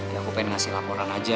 ya aku pengen ngasih laporan aja